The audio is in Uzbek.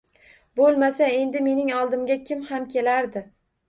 Bo‘lmasa, endi mening oldimga kim ham kelardi?